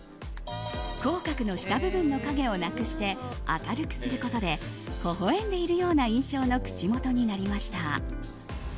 口角の下部分の影をなくして明るくすることで微笑んでいるような印象の口元になりました。